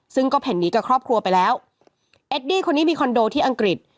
ซึ่งก็เห็นหนีกับครอบครัวไปแล้วเอดดี้คนนี้มีคอนโดที่อังกฤษ